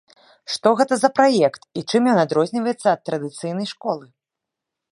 Што гэта за праект і чым ён адрозніваецца ад традыцыйнай школы?